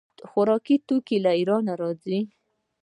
خوراکي توکي له ایران راځي.